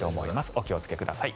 お気をつけください。